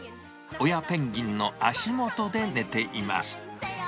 親ペンギンの足元で寝ています。